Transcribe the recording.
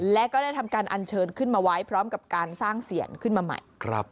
และก็ได้ทำการอันเชิญขึ้นมาไว้พร้อมกับการสร้างเสียนขึ้นมาใหม่